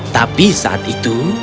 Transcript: tapi saat itu